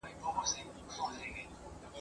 که غوایی دي که وزې پکښی ایله دي ..